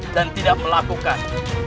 dan tidak melakukan